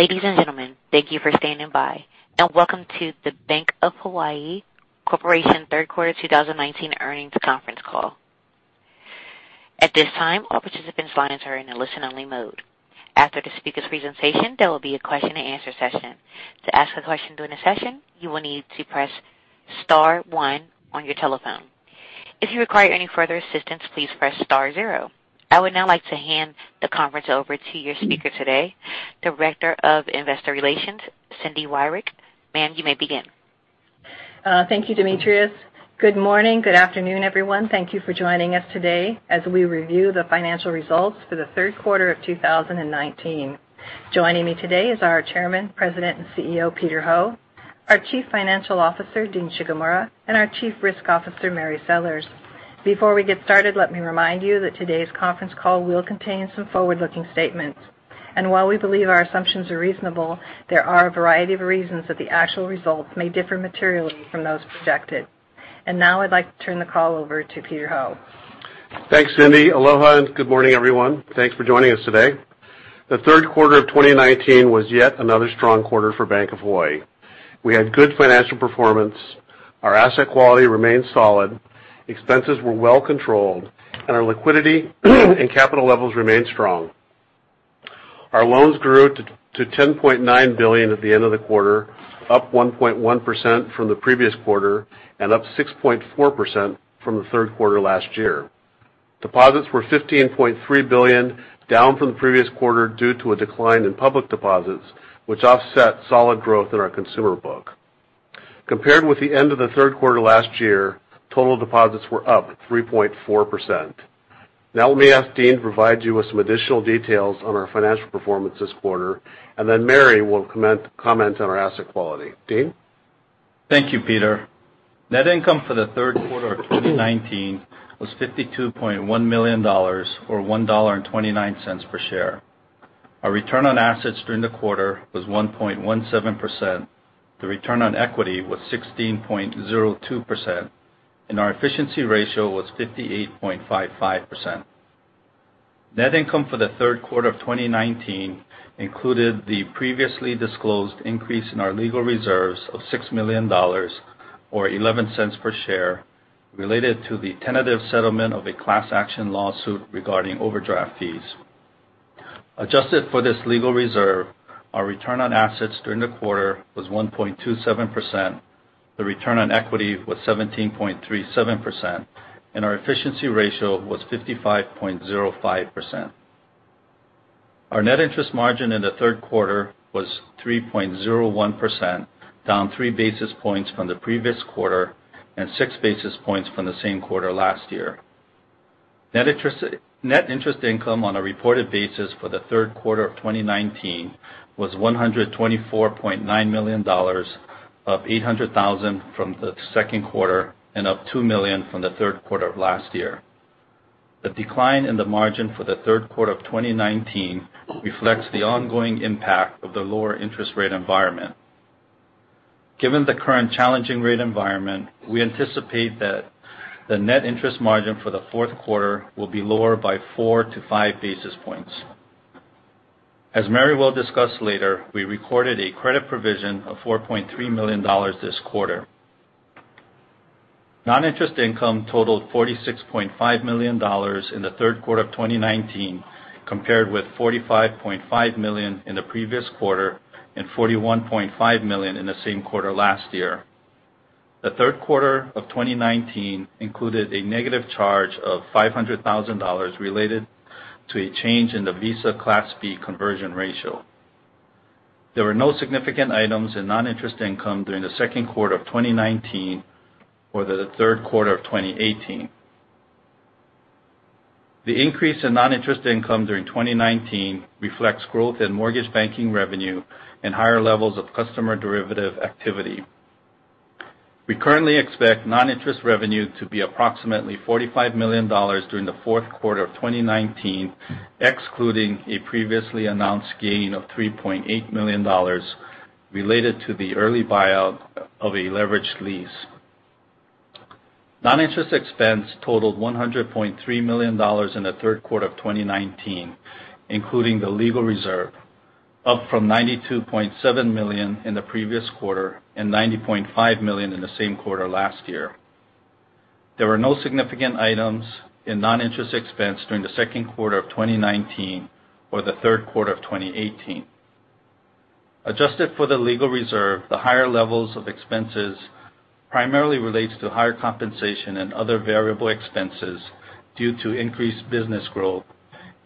Ladies and gentlemen, thank you for standing by, and welcome to the Bank of Hawaii Corporation third quarter 2019 earnings conference call. At this time, all participants' lines are in a listen-only mode. After the speakers' presentation, there will be a question-and-answer session. To ask a question during the session, you will need to press star one on your telephone. If you require any further assistance, please press star zero. I would now like to hand the conference over to your speaker today, Director of Investor Relations, Cindy Wyrick. Ma'am, you may begin. Thank you, Demetrius. Good morning. Good afternoon, everyone. Thank you for joining us today as we review the financial results for the third quarter of 2019. Joining me today is our Chairman, President, and CEO, Peter Ho, our Chief Financial Officer, Dean Shigemura, and our Chief Risk Officer, Mary Sellers. Before we get started, let me remind you that today's conference call will contain some forward-looking statements. While we believe our assumptions are reasonable, there are a variety of reasons that the actual results may differ materially from those projected. Now I'd like to turn the call over to Peter Ho. Thanks, Cindy. Aloha, good morning, everyone. Thanks for joining us today. The third quarter of 2019 was yet another strong quarter for Bank of Hawaii. We had good financial performance, our asset quality remains solid, expenses were well controlled, and our liquidity and capital levels remain strong. Our loans grew to $10.9 billion at the end of the quarter, up 1.1% from the previous quarter and up 6.4% from the third quarter last year. Deposits were $15.3 billion, down from the previous quarter due to a decline in public deposits, which offset solid growth in our consumer book. Compared with the end of the third quarter last year, total deposits were up 3.4%. Let me ask Dean to provide you with some additional details on our financial performance this quarter, then Mary will comment on our asset quality. Dean? Thank you, Peter. Net income for the third quarter of 2019 was $52.1 million, or $1.29 per share. Our return on assets during the quarter was 1.17%, the return on equity was 16.02%, and our efficiency ratio was 58.55%. Net income for the third quarter of 2019 included the previously disclosed increase in our legal reserves of $6 million, or $0.11 per share, related to the tentative settlement of a class action lawsuit regarding overdraft fees. Adjusted for this legal reserve, our return on assets during the quarter was 1.27%, the return on equity was 17.37%, and our efficiency ratio was 55.05%. Our net interest margin in the third quarter was 3.01%, down three basis points from the previous quarter and six basis points from the same quarter last year. Net interest income on a reported basis for the third quarter of 2019 was $124.9 million, up $800,000 from the second quarter and up $2 million from the third quarter of last year. The decline in the margin for the third quarter of 2019 reflects the ongoing impact of the lower interest rate environment. Given the current challenging rate environment, we anticipate that the net interest margin for the fourth quarter will be lower by four to five basis points. As Mary will discuss later, we recorded a credit provision of $4.3 million this quarter. Noninterest income totaled $46.5 million in the third quarter of 2019, compared with $45.5 million in the previous quarter and $41.5 million in the same quarter last year. The third quarter of 2019 included a negative charge of $500,000 related to a change in the Visa Class B conversion ratio. There were no significant items in noninterest income during the second quarter of 2019 or the third quarter of 2018. The increase in noninterest income during 2019 reflects growth in mortgage banking revenue and higher levels of customer derivative activity. We currently expect non-interest revenue to be approximately $45 million during the fourth quarter of 2019, excluding a previously announced gain of $3.8 million related to the early buyout of a leveraged lease. Non-interest expense totaled $100.3 million in the third quarter of 2019, including the legal reserve, up from $92.7 million in the previous quarter and $90.5 million in the same quarter last year. There were no significant items in non-interest expense during the second quarter of 2019 or the third quarter of 2018. Adjusted for the legal reserve, the higher levels of expenses primarily relates to higher compensation and other variable expenses due to increased business growth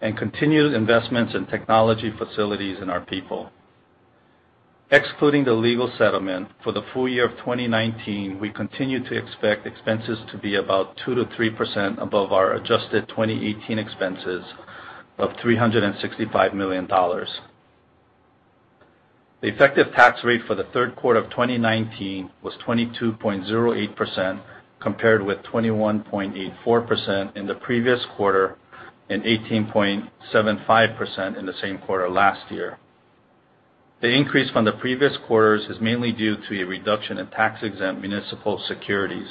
and continued investments in technology, facilities, and our people. Excluding the legal settlement, for the full year of 2019, we continue to expect expenses to be about 2%-3% above our adjusted 2018 expenses of $365 million. The effective tax rate for the third quarter of 2019 was 22.08%, compared with 21.84% in the previous quarter and 18.75% in the same quarter last year. The increase from the previous quarters is mainly due to a reduction in tax-exempt municipal securities.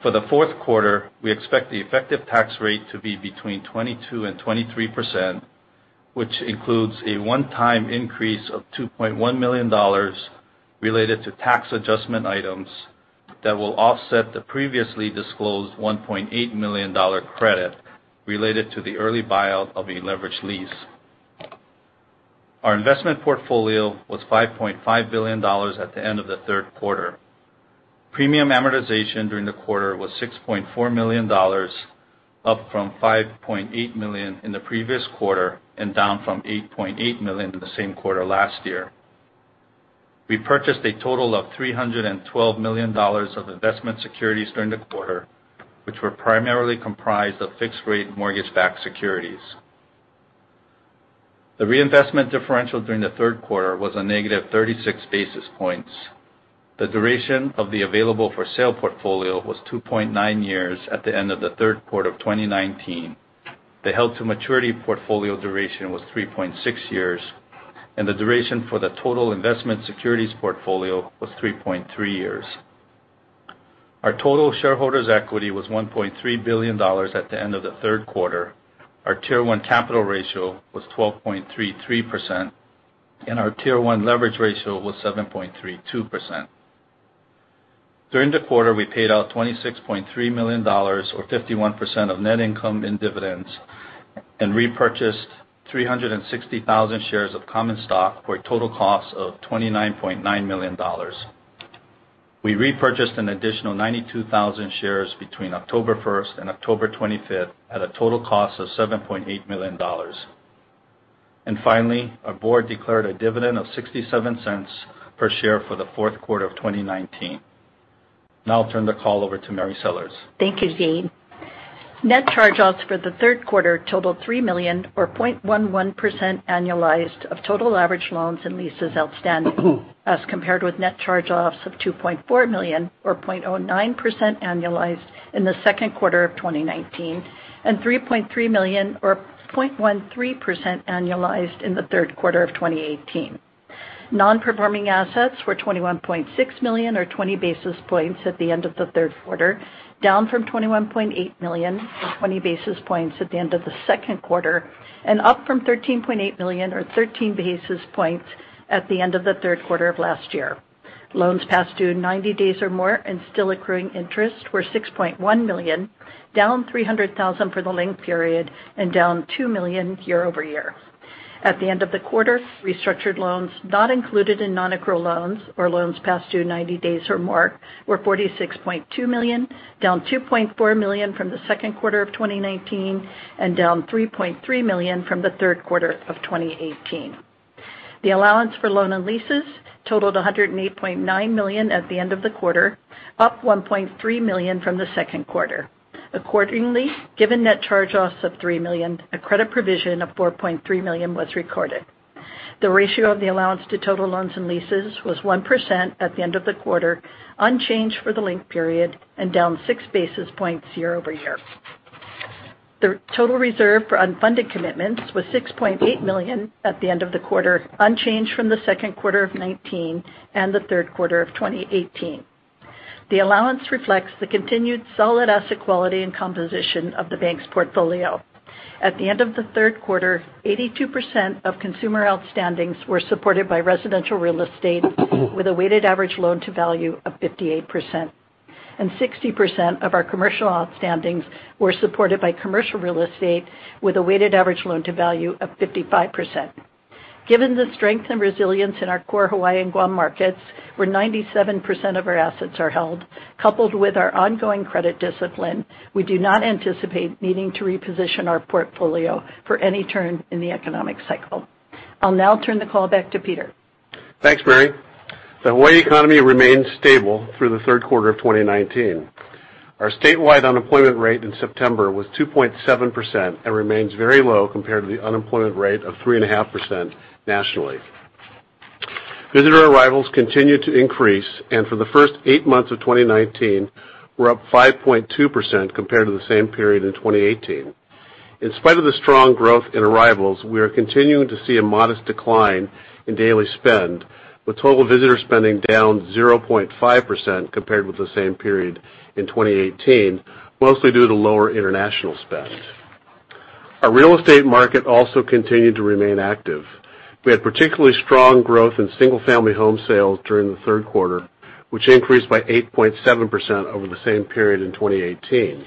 For the fourth quarter, we expect the effective tax rate to be between 22% and 23%, which includes a one-time increase of $2.1 million related to tax adjustment items that will offset the previously disclosed $1.8 million credit related to the early buyout of a leveraged lease. Our investment portfolio was $5.5 billion at the end of the third quarter. Premium amortization during the quarter was $6.4 million, up from $5.8 million in the previous quarter, and down from $8.8 million in the same quarter last year. We purchased a total of $312 million of investment securities during the quarter, which were primarily comprised of fixed-rate mortgage-backed securities. The reinvestment differential during the third quarter was a negative 36 basis points. The duration of the available-for-sale portfolio was 2.9 years at the end of the third quarter of 2019. The held-to-maturity portfolio duration was 3.6 years, and the duration for the total investment securities portfolio was 3.3 years. Our total shareholders' equity was $1.3 billion at the end of the third quarter. Our Tier 1 capital ratio was 12.33%, and our Tier 1 leverage ratio was 7.32%. During the quarter, we paid out $26.3 million, or 51% of net income in dividends, and repurchased 360,000 shares of common stock for a total cost of $29.9 million. We repurchased an additional 92,000 shares between October 1st and October 25th at a total cost of $7.8 million. Finally, our board declared a dividend of $0.67 per share for the fourth quarter of 2019. Now I'll turn the call over to Mary Sellers. Thank you, Dean. Net charge-offs for the third quarter totaled $3 million, or 0.11% annualized of total average loans and leases outstanding, as compared with net charge-offs of $2.4 million or 0.09% annualized in the second quarter of 2019, and $3.3 million or 0.13% annualized in the third quarter of 2018. Non-performing assets were $21.6 million, or 20 basis points at the end of the third quarter, down from $21.8 million or 20 basis points at the end of the second quarter, and up from $13.8 million or 13 basis points at the end of the third quarter of last year. Loans past due 90 days or more and still accruing interest were $6.1 million, down $300,000 for the linked period and down $2 million year-over-year. At the end of the quarter, restructured loans, not included in non-accrual loans or loans past due 90 days or more, were $46.2 million, down $2.4 million from the second quarter of 2019 and down $3.3 million from the third quarter of 2018. The allowance for loan and leases totaled $108.9 million at the end of the quarter, up $1.3 million from the second quarter. Accordingly, given net charge-offs of $3 million, a credit provision of $4.3 million was recorded. The ratio of the allowance to total loans and leases was 1% at the end of the quarter, unchanged for the linked period and down six basis points year-over-year. The total reserve for unfunded commitments was $6.8 million at the end of the quarter, unchanged from the second quarter of 2019 and the third quarter of 2018. The allowance reflects the continued solid asset quality and composition of the Bank of Hawaii's portfolio. At the end of the third quarter, 82% of consumer outstandings were supported by residential real estate with a weighted average loan-to-value of 58%, and 60% of our commercial outstandings were supported by commercial real estate with a weighted average loan-to-value of 55%. Given the strength and resilience in our core Hawaii and Guam markets, where 97% of our assets are held, coupled with our ongoing credit discipline, we do not anticipate needing to reposition our portfolio for any turn in the economic cycle. I'll now turn the call back to Peter. Thanks, Mary. The Hawaii economy remains stable through the third quarter of 2019. Our statewide unemployment rate in September was 2.7% and remains very low compared to the unemployment rate of 3.5% nationally. Visitor arrivals continue to increase, and for the first eight months of 2019, we're up 5.2% compared to the same period in 2018. In spite of the strong growth in arrivals, we are continuing to see a modest decline in daily spend, with total visitor spending down 0.5% compared with the same period in 2018, mostly due to lower international spend. Our real estate market also continued to remain active. We had particularly strong growth in single-family home sales during the third quarter, which increased by 8.7% over the same period in 2018.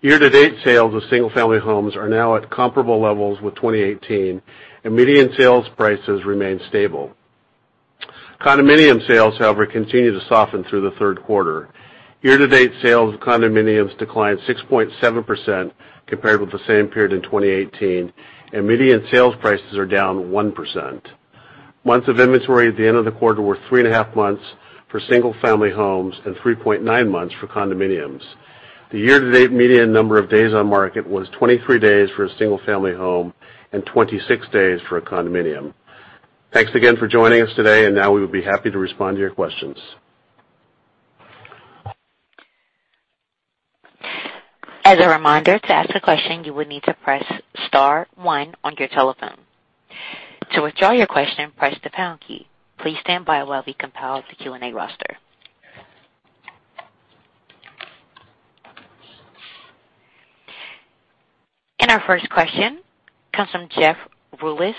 Year-to-date sales of single-family homes are now at comparable levels with 2018. Median sales prices remain stable. Condominium sales, however, continue to soften through the third quarter. Year-to-date sales of condominiums declined 6.7% compared with the same period in 2018, and median sales prices are down 1%. Months of inventory at the end of the quarter were three and a half months for single-family homes and 3.9 months for condominiums. The year-to-date median number of days on market was 23 days for a single-family home and 26 days for a condominium. Thanks again for joining us today, and now we would be happy to respond to your questions. As a reminder, to ask a question, you will need to press star one on your telephone. To withdraw your question, press the pound key. Please stand by while we compile the Q&A roster. Our first question comes from Jeff Rulis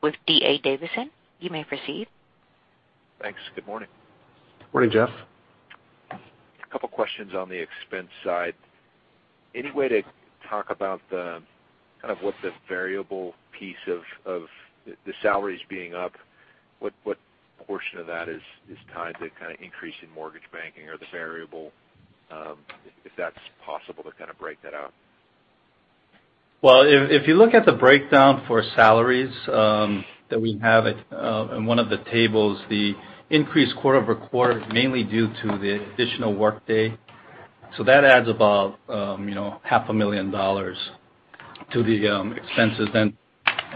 with D.A. Davidson. You may proceed. Thanks. Good morning. Morning, Jeff. A couple questions on the expense side. Any way to talk about what the variable piece of the salaries being up, what portion of that is tied to kind of increase in mortgage banking or the variable, if that's possible to kind of break that out? Well, if you look at the breakdown for salaries that we have in one of the tables, the increase quarter-over-quarter is mainly due to the additional workday. That adds about half a million dollars to the expenses then.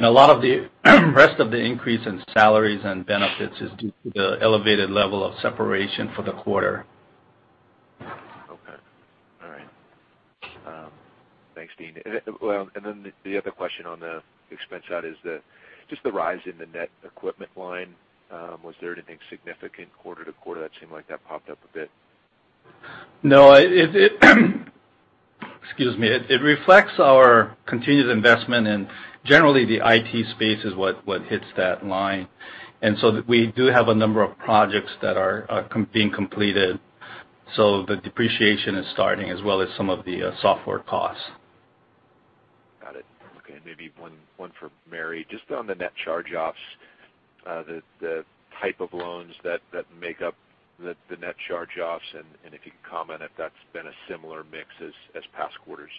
A lot of the rest of the increase in salaries and benefits is due to the elevated level of separation for the quarter. Okay. All right. Thanks, Dean. Well, the other question on the expense side is just the rise in the net equipment line. Was there anything significant quarter-to-quarter that seemed like that popped up a bit? No. Excuse me. It reflects our continuous investment in generally the IT space is what hits that line. We do have a number of projects that are being completed. The depreciation is starting as well as some of the software costs. Got it. Okay, maybe one for Mary. Just on the net charge-offs, the type of loans that make up the net charge-offs, and if you could comment if that's been a similar mix as past quarters.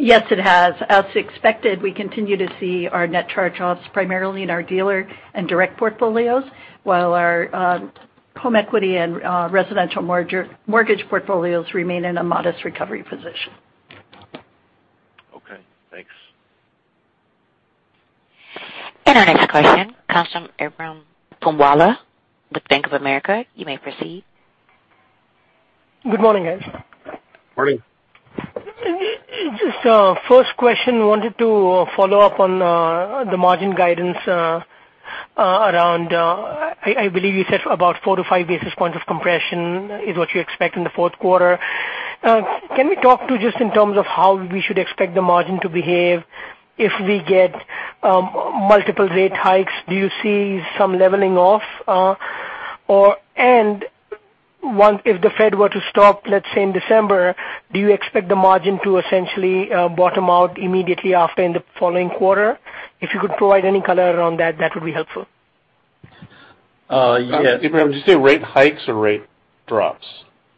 Yes, it has. As expected, we continue to see our net charge-offs primarily in our dealer and direct portfolios, while our home equity and residential mortgage portfolios remain in a modest recovery position. Okay, thanks. Our next question comes from Ebrahim with Bank of America. You may proceed. Good morning, guys. Morning. Just first question, wanted to follow up on the margin guidance around, I believe you said about 4-5 basis points of compression is what you expect in the fourth quarter. Can we talk to just in terms of how we should expect the margin to behave if we get multiple rate hikes? Do you see some leveling off? If the Federal Reserve were to stop, let's say in December, do you expect the margin to essentially bottom out immediately after in the following quarter? If you could provide any color around that would be helpful. Yes. Ebrahim, did you say rate hikes or rate drops?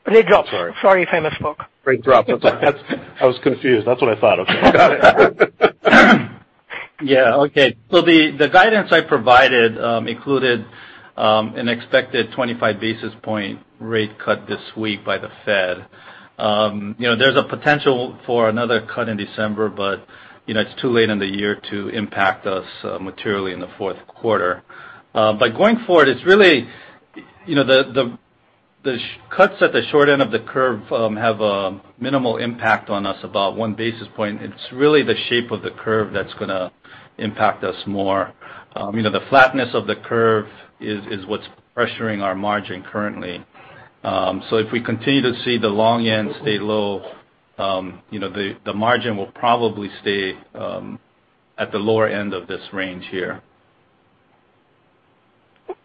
Rate drops. Sorry. Sorry if I misspoke. Rate drops. That's all right. I was confused. That's what I thought. Okay. Yeah. Okay. The guidance I provided included an expected 25 basis point rate cut this week by the Fed. There's a potential for another cut in December, it's too late in the year to impact us materially in the fourth quarter. Going forward, the cuts at the short end of the curve have a minimal impact on us, about one basis point. It's really the shape of the curve that's going to impact us more. The flatness of the curve is what's pressuring our margin currently. If we continue to see the long end stay low, the margin will probably stay at the lower end of this range here.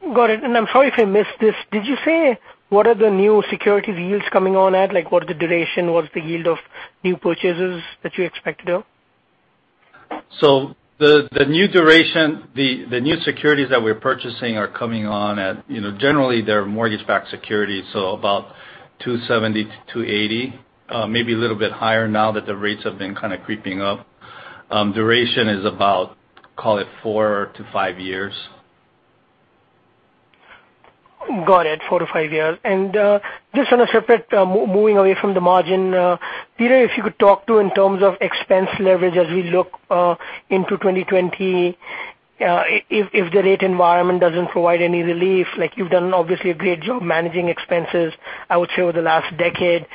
Got it. I'm sorry if I missed this. Did you say what are the new securities yields coming on at? What is the duration? What is the yield of new purchases that you expect to do? The new securities that we're purchasing are coming on at, generally they're mortgage-backed securities, about 270-280. Maybe a little bit higher now that the rates have been kind of creeping up. Duration is about, call it four to five years. Got it. Four to five years. Just on a separate, moving away from the margin. Peter, if you could talk to in terms of expense leverage as we look into 2020 if the rate environment doesn't provide any relief. You've done obviously a great job managing expenses, I would say over the last decade.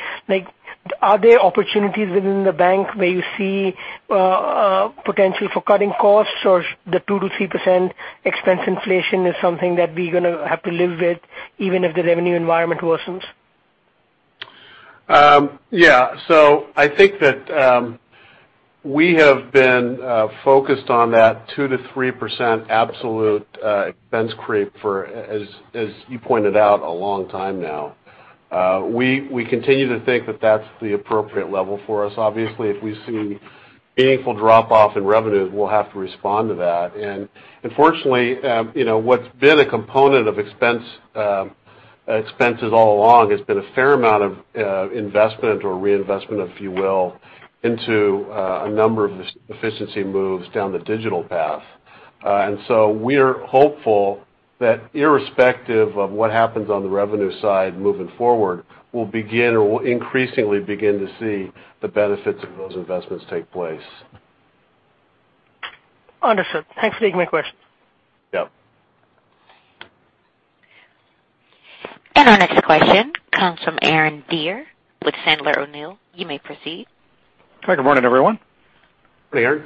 Are there opportunities within the Bank where you see potential for cutting costs or the 2%-3% expense inflation is something that we're going to have to live with even if the revenue environment worsens? Yeah. I think that we have been focused on that 2 to 3% absolute expense creep for, as you pointed out, a long time now. We continue to think that that's the appropriate level for us. Obviously, if we see meaningful drop-off in revenues, we'll have to respond to that. Unfortunately, what's been a component of expenses all along has been a fair amount of investment or reinvestment, if you will, into a number of efficiency moves down the digital path. We're hopeful that irrespective of what happens on the revenue side moving forward, we'll increasingly begin to see the benefits of those investments take place. Understood. Thanks for taking my question. Yeah. Our next question comes from Aaron Deer with Sandler O'Neill. You may proceed. Hi. Good morning, everyone. Hey, Aaron.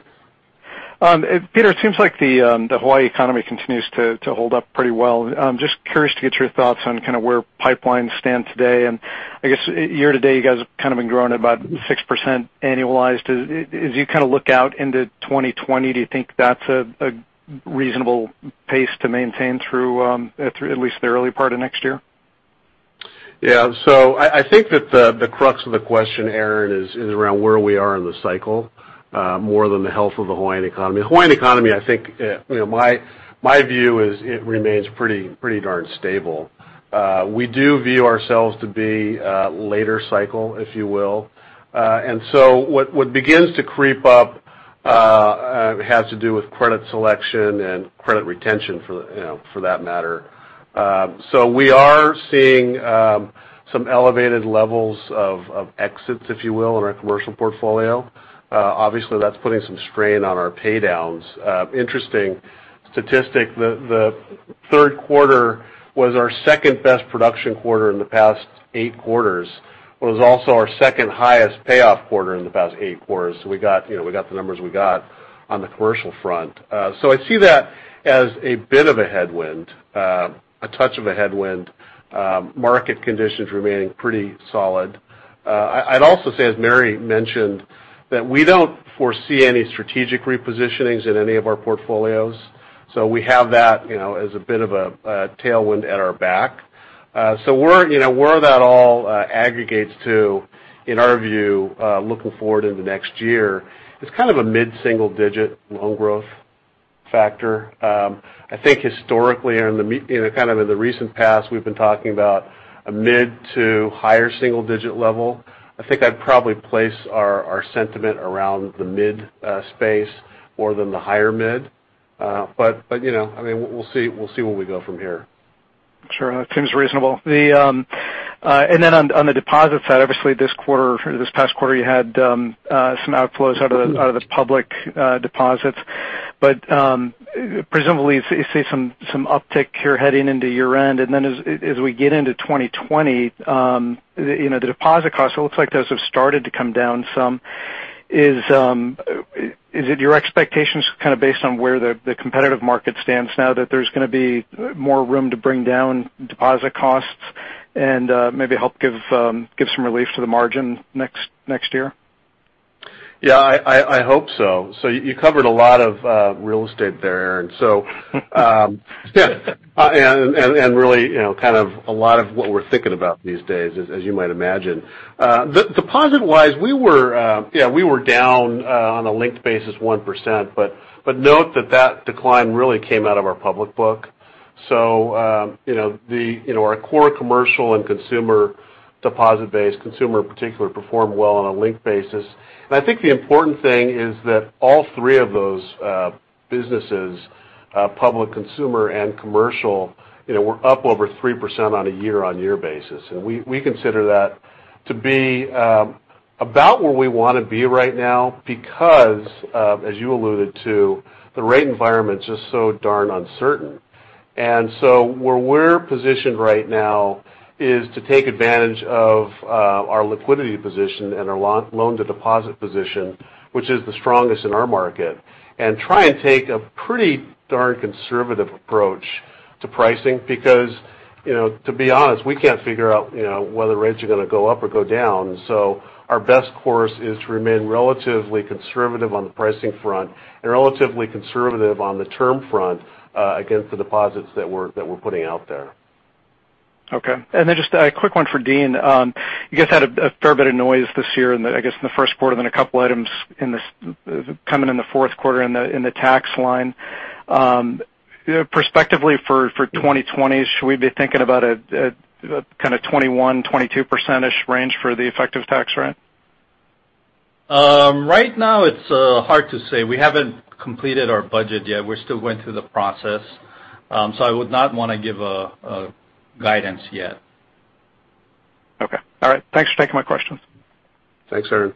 Peter, it seems like the Hawaii economy continues to hold up pretty well. I'm just curious to get your thoughts on kind of where pipelines stand today. I guess year to date, you guys have kind of been growing at about 6% annualized. As you kind of look out into 2020, do you think that's a reasonable pace to maintain through at least the early part of next year? Yeah. I think that the crux of the question, Aaron, is around where we are in the cycle, more than the health of the Hawaiian economy. Hawaiian economy, I think, my view is it remains pretty darn stable. We do view ourselves to be later cycle, if you will. What begins to creep up has to do with credit selection and credit retention for that matter. We are seeing some elevated levels of exits, if you will, in our commercial portfolio. Obviously, that's putting some strain on our paydowns. Interesting statistic, the third quarter was our second-best production quarter in the past eight quarters. It was also our second-highest payoff quarter in the past eight quarters. We got the numbers we got on the commercial front. I see that as a bit of a headwind. A touch of a headwind. Market conditions remaining pretty solid. I'd also say, as Mary mentioned, that we don't foresee any strategic repositionings in any of our portfolios. We have that as a bit of a tailwind at our back. Where that all aggregates to, in our view, looking forward into next year is kind of a mid-single-digit loan growth factor. I think historically and kind of in the recent past, we've been talking about a mid to higher single-digit level. I think I'd probably place our sentiment around the mid space more than the higher mid. We'll see where we go from here. Sure. That seems reasonable. On the deposit side, obviously this past quarter, you had some outflows out of the public deposits. Presumably you see some uptick here heading into year-end, and then as we get into 2020, the deposit costs, it looks like those have started to come down some. Is it your expectations kind of based on where the competitive market stands now that there's going to be more room to bring down deposit costs and maybe help give some relief to the margin next year? I hope so. You covered a lot of real estate there, Aaron. Really kind of a lot of what we're thinking about these days, as you might imagine. Deposit-wise, we were down on a linked basis 1%, but note that that decline really came out of our public book. Our core commercial and consumer deposit base, consumer in particular, performed well on a linked basis. I think the important thing is that all three of those businesses, public, consumer, and commercial, were up over 3% on a year-on-year basis. We consider that to be about where we want to be right now because, as you alluded to, the rate environment's just so darn uncertain. Where we're positioned right now is to take advantage of our liquidity position and our loan-to-deposit position, which is the strongest in our market, and try and take a pretty darn conservative approach to pricing because, to be honest, we can't figure out whether rates are going to go up or go down. Our best course is to remain relatively conservative on the pricing front and relatively conservative on the term front against the deposits that we're putting out there. Okay. Just a quick one for Dean. You guys had a fair bit of noise this year in the, I guess, in the first quarter, then a couple items coming in the fourth quarter in the tax line. Prospectively for 2020, should we be thinking about a kind of 21%, 22%-ish range for the effective tax rate? Right now it's hard to say. We haven't completed our budget yet. We're still going through the process. I would not want to give a guidance yet. Okay. All right. Thanks for taking my questions. Thanks, Aaron.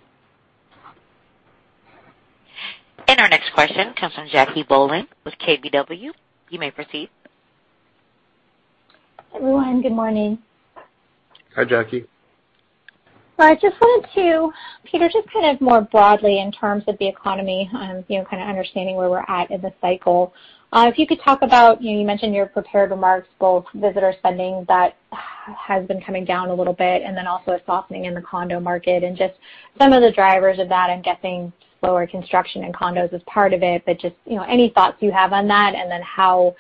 Our next question comes from Jackie Bohlen with KBW. You may proceed. Everyone, good morning. Hi, Jackie. I just wanted to, Peter, just kind of more broadly in terms of the economy, kind of understanding where we are at in the cycle. If you could talk about, you mentioned your prepared remarks, both visitor spending that has been coming down a little bit, and then also a softening in the condo market, and just some of the drivers of that. I am guessing slower construction in condos is part of it, but just any thoughts you have on that, and then how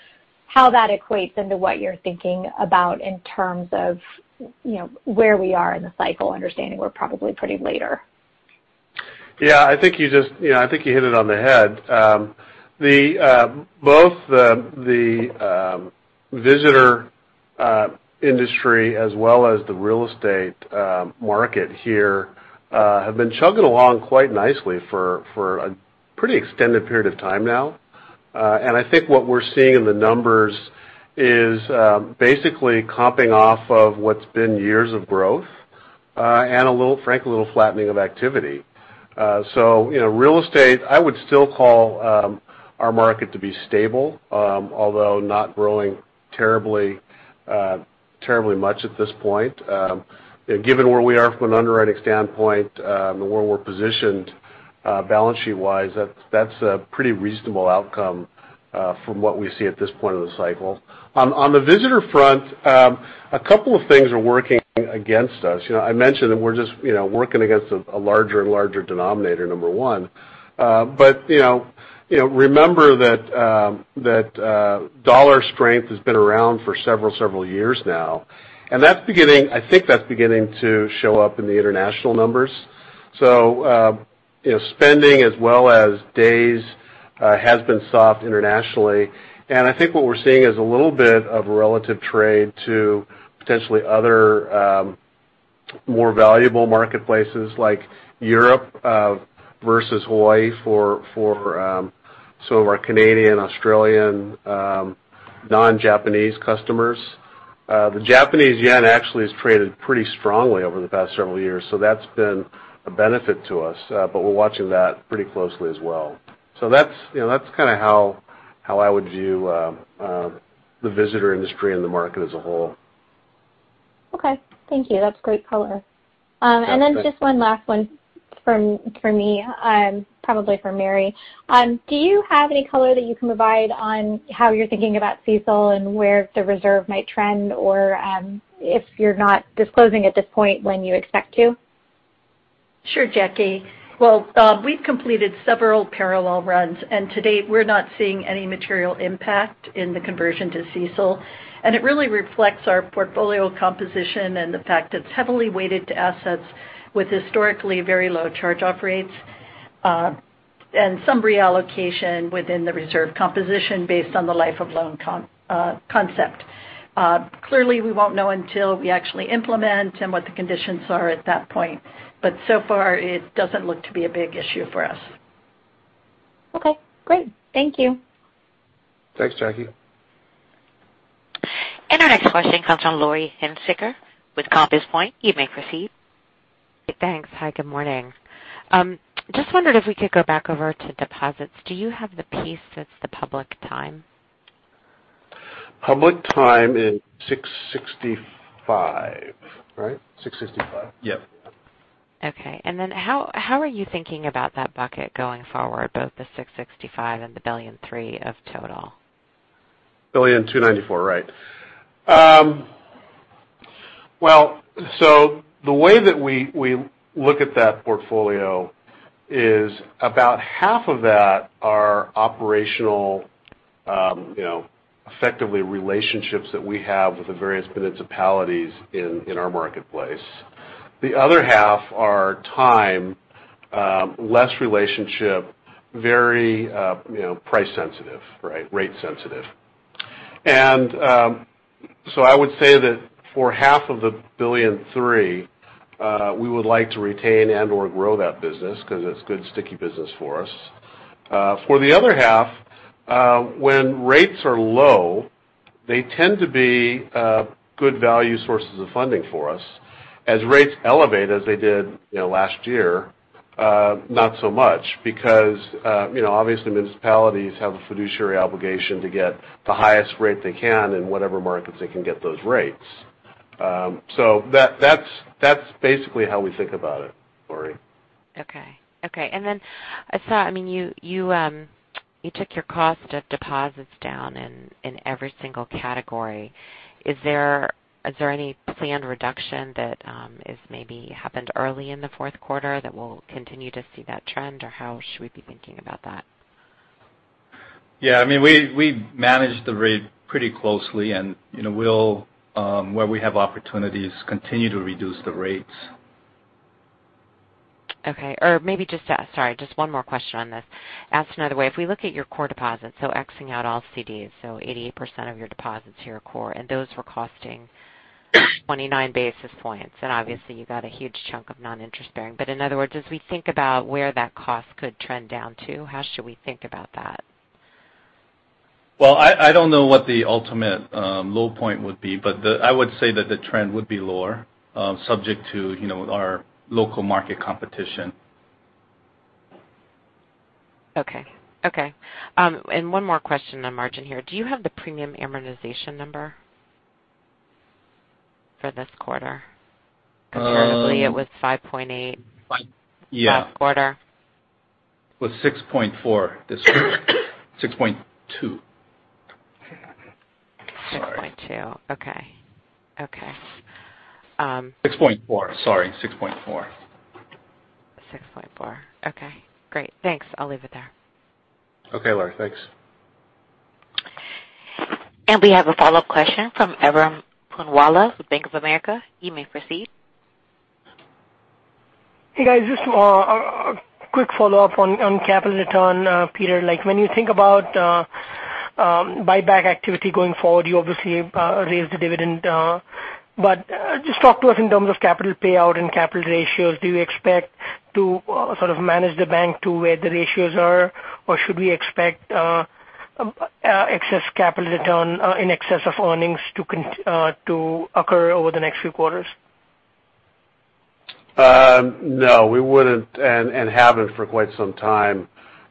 that equates into what you are thinking about in terms of where we are in the cycle, understanding we are probably pretty later? Yeah, I think you hit it on the head. Both the visitor industry as well as the real estate market here have been chugging along quite nicely for a pretty extended period of time now. I think what we're seeing in the numbers is basically comping off of what's been years of growth. Frankly, a little flattening of activity. Real estate, I would still call our market to be stable although not growing terribly much at this point. Given where we are from an underwriting standpoint and where we're positioned balance sheet-wise, that's a pretty reasonable outcome from what we see at this point of the cycle. On the visitor front, a couple of things are working against us. I mentioned that we're just working against a larger and larger denominator, number one. Remember that dollar strength has been around for several years now, and I think that's beginning to show up in the international numbers. Spending as well as days has been soft internationally, and I think what we're seeing is a little bit of a relative trade to potentially other more valuable marketplaces like Europe versus Hawaii for some of our Canadian, Australian, non-Japanese customers. The Japanese yen actually has traded pretty strongly over the past several years, so that's been a benefit to us. We're watching that pretty closely as well. That's how I would view the visitor industry and the market as a whole. Okay. Thank you. That's great color. Yeah. Thank you. Just one last one from me, probably for Mary. Do you have any color that you can provide on how you're thinking about CECL and where the reserve might trend? Or if you're not disclosing at this point, when you expect to? Sure, Jackie. Well, we've completed several parallel runs, and to date, we're not seeing any material impact in the conversion to CECL. It really reflects our portfolio composition and the fact it's heavily weighted to assets with historically very low charge-off rates, and some reallocation within the reserve composition based on the life of loan concept. Clearly, we won't know until we actually implement and what the conditions are at that point. So far, it doesn't look to be a big issue for us. Okay, great. Thank you. Thanks, Jackie. Our next question comes from Laurie Hunsicker with Compass Point. You may proceed. Thanks. Hi, good morning. Just wondered if we could go back over to deposits. Do you have the piece that's the public time? Public time is 665, right? 665? Yep. Okay. How are you thinking about that bucket going forward, both the $665 and the $1.3 billion of total? billion, right. The way that we look at that portfolio is about half of that are operational effectively relationships that we have with the various municipalities in our marketplace. The other half are time, less relationship, very price sensitive. Rate sensitive. I would say that for half of the $1.3 billion, we would like to retain and/or grow that business because it's good, sticky business for us. For the other half, when rates are low, they tend to be good value sources of funding for us. As rates elevate, as they did last year, not so much because obviously municipalities have a fiduciary obligation to get the highest rate they can in whatever markets they can get those rates. That's basically how we think about it, Laurie. Okay. I saw you took your cost of deposits down in every single category. Is there any planned reduction that is maybe happened early in the fourth quarter that we'll continue to see that trend? How should we be thinking about that? Yeah, we manage the rate pretty closely and we'll, where we have opportunities, continue to reduce the rates. Okay. Sorry, just one more question on this. Asked another way, if we look at your core deposits, so X-ing out all CDs, so 88% of your deposits here are core, and those were costing 29 basis points, and obviously you got a huge chunk of non-interest bearing. In other words, as we think about where that cost could trend down to, how should we think about that? Well, I don't know what the ultimate low point would be, but I would say that the trend would be lower, subject to our local market competition. Okay. One more question on margin here. Do you have the premium amortization number for this quarter? Comparatively, it was 5.8- Yeah last quarter. It was 6.4 this quarter. 6.2. Sorry. 6.2. Okay. 6.4, sorry. 6.4. 6.4. Okay, great. Thanks. I'll leave it there. Okay, Laurie, thanks. We have a follow-up question from Ebrahim Poonawala with Bank of America. You may proceed. Hey, guys. Just a quick follow-up on capital return. Peter, when you think about buyback activity going forward, you obviously raised the dividend. Just talk to us in terms of capital payout and capital ratios. Do you expect to sort of manage the bank to where the ratios are, or should we expect excess capital return in excess of earnings to occur over the next few quarters? No, we wouldn't and haven't for quite some time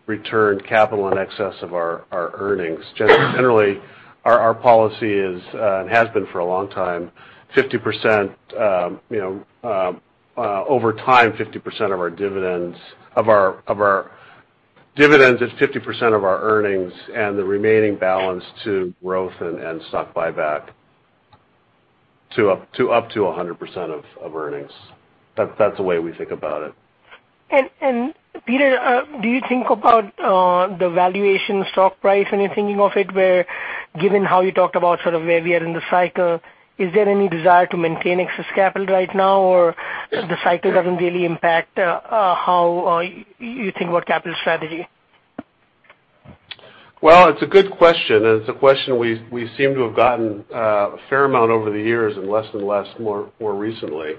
returned capital in excess of our earnings. Generally, our policy is and has been for a long time, over time, our dividends is 50% of our earnings and the remaining balance to growth and stock buyback to up to 100% of earnings. That's the way we think about it. Peter, do you think about the valuation stock price when you're thinking of it, where given how you talked about sort of where we are in the cycle, is there any desire to maintain excess capital right now or the cycle doesn't really impact how you think about capital strategy? Well, it's a good question, and it's a question we seem to have gotten a fair amount over the years and less than less, more recently.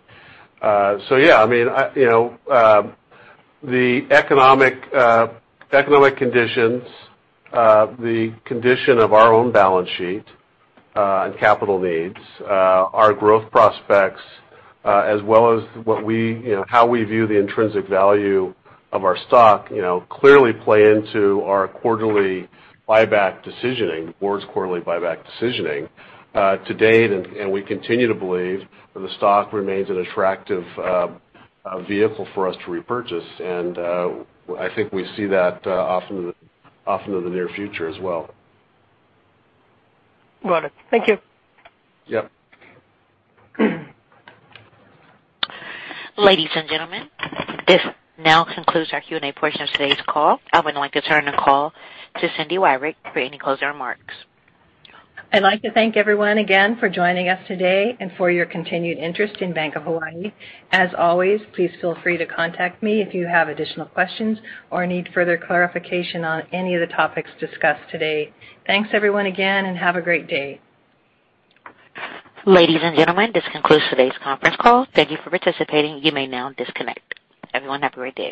Yeah, the economic conditions, the condition of our own balance sheet, and capital needs, our growth prospects, as well as how we view the intrinsic value of our stock, clearly play into our quarterly buyback decisioning, the board's quarterly buyback decisioning. To date, we continue to believe that the stock remains an attractive vehicle for us to repurchase. I think we see that off into the near future as well. Got it. Thank you. Yep. Ladies and gentlemen, this now concludes our Q&A portion of today's call. I would like to turn the call to Cindy Wyrick for any closing remarks. I'd like to thank everyone again for joining us today and for your continued interest in Bank of Hawaii. As always, please feel free to contact me if you have additional questions or need further clarification on any of the topics discussed today. Thanks everyone again, and have a great day. Ladies and gentlemen, this concludes today's conference call. Thank you for participating. You may now disconnect. Everyone have a great day.